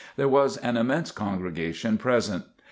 There was an immense congregation present.